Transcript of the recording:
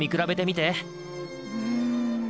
うん。